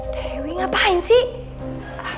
dewi ngapain sih